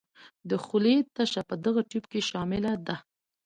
د خولې تشه په دغه تیوپ کې شامله ده.